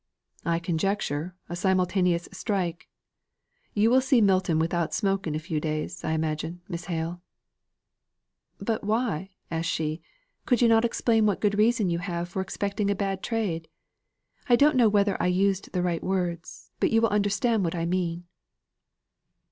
"I conjecture a simultaneous strike. You will see Milton without smoke in a few days, I imagine, Miss Hale." "But why," asked she, "could you not explain what good reason you had for expecting a bad trade? I don't know whether I use the right words, but you will understand what I mean."